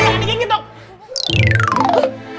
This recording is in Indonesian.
jangan digengit dong